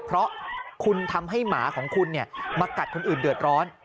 เพราะคุณทำให้หมาของคุณมากัดคนอื่นเดือดร้อน